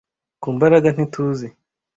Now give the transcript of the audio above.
ku mbaraga ntituzi